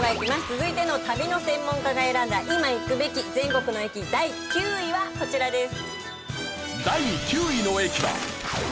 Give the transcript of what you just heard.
続いての旅の専門家が選んだ今行くべき全国の駅第９位はこちらです。